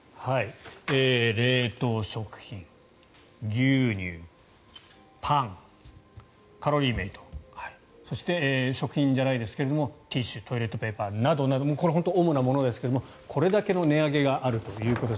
冷凍食品、牛乳パン、カロリーメイトそして、食品じゃないですがティッシュトイレットペーパーなどなどこれは本当に主なものですがこれだけの値上げがあるということです。